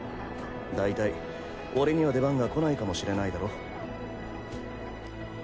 だいたい俺には出番が来ないかもしれないだろ。